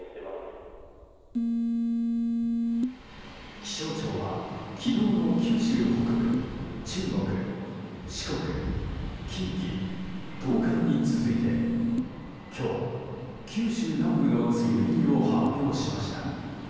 気象庁は、昨日の九州北部中国、四国、近畿、東海に続いて今日、九州南部の梅雨入りを発表しました。